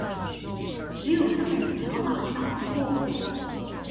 只有這本的條碼掃不過